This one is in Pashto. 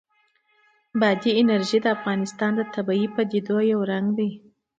بادي انرژي د افغانستان د طبیعي پدیدو یو رنګ دی.